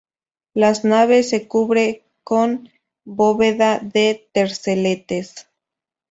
Las nave se cubre con bóveda de terceletes.